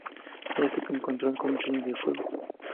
Ella se encontró con el Señor del Fuego.